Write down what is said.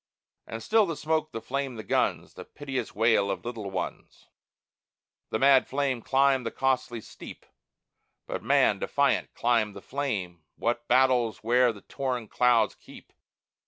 And still the smoke, the flame, the guns The piteous wail of little ones! The mad flame climbed the costly steep, But man, defiant, climbed the flame. What battles where the torn clouds keep!